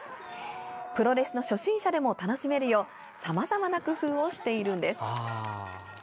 プロレスの初心者でも楽しめるようさまざまな工夫をしているんです。